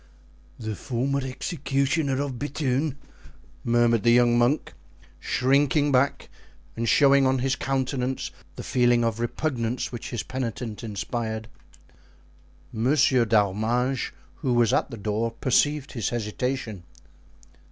"The former executioner of Bethune!" murmured the young monk, shrinking back and showing on his countenance the feeling of repugnance which his penitent inspired. Monsieur d'Arminges, who was at the door, perceived his hesitation.